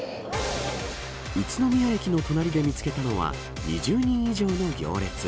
宇都宮駅の隣で見つけたのは２０人以上の行列。